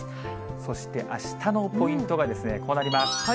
そしてあしたのポイントがこうなります。